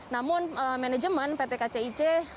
namun manajemen pt kcic menjamin bahwa